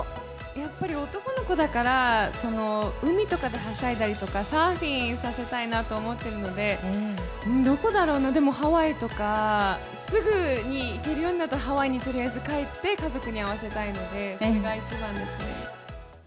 やっぱり男の子だから、その海とかではしゃいだりとか、サーフィンさせたいなと思っているので、どこだろうな、でもハワイとか、すぐに行けるようになったら、ハワイにとりあえず帰って、家族に会わせたいので、それが一番ですね。